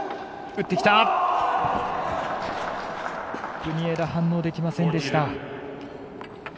国枝反応できませんでした。